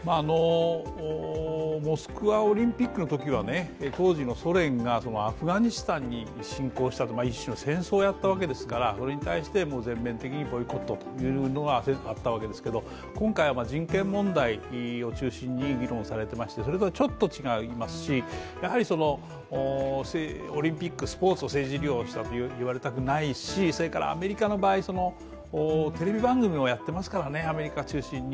モスクワオリンピックのときは当時のソ連がアフガニスタンに侵攻した、一種の戦争をやったわけですから、それに対して全面的にボイコットというのがあったわけですけど今回は人権問題を中心に議論されてましてそれとはちょっと違いますし、オリンピック、スポーツを政治利用したと言われたくないし、それからアメリカの場合テレビ番組もやってますからねアメリカ中心に。